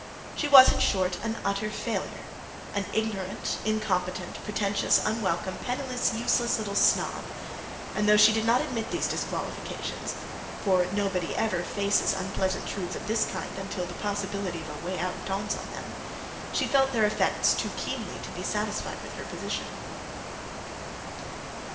She was, in short, an utter failure, an ignorant, incompetent, pretentious, unwelcome, penniless, useless little snob; and though she did not admit these disqualifications (for nobody ever faces unpleasant truths of this kind until the possibility of a way out dawns on them) she felt their effects too keenly to be satisfied with her position.